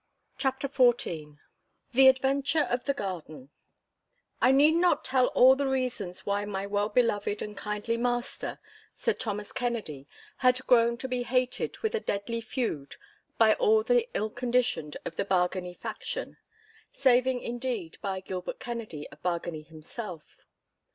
*CHAPTER XIV* *THE ADVENTURE OF THE GARDEN* I need not tell all the reasons why my well beloved and kindly master, Sir Thomas Kennedy, had grown to be hated with a deadly feud by all the ill conditioned of the Bargany faction, saving indeed by Gilbert Kennedy of Bargany himself.